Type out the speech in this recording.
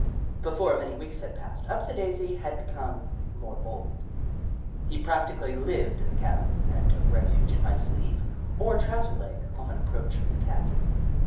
Before many weeks had passed, Upsidaisi had become more bold. He practically lived in the cabin, and took refuge in my sleeve or trouser leg upon approach of the Cat.